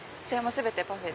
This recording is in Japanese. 全部パフェ？